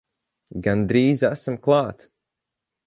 Gandrīz esam klāt!